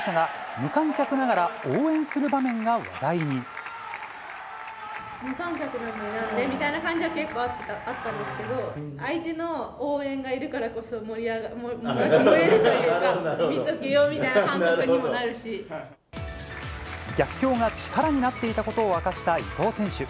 無観客なのになんでみたいな感じは結構あったんですけど、相手の応援がいるからこそ、燃えるというか、逆境が力になっていたことを明かした伊藤選手。